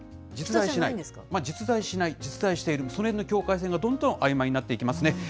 実在しない、実在している、そのへんの境界線がどんどんあいまいになっていきますね。